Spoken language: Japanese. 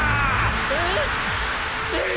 えっ！？